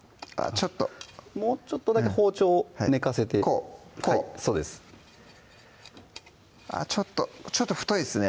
ちょっともうちょっとだけ包丁を寝かせてこうこうそうですあっちょっとちょっと太いですね